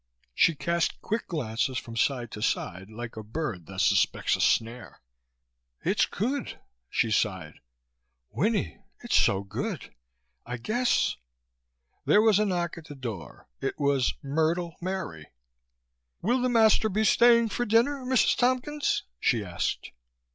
She cast quick glances from side to side, like a bird that suspects a snare. "It's good," she sighed. "Winnie, it's so good. I guess...." There was a knock at the door. It was Myrtle Mary. "Will the master be staying for dinner, Mrs. Tompkins?" she asked.